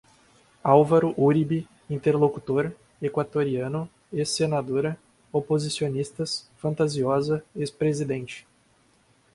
álvaro uribe, interlocutor, equatoriano, ex-senadora, oposicionistas, fantasiosa, ex-presidente